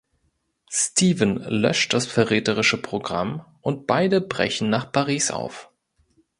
Steven löscht das verräterische Programm und beide brechen nach Paris auf.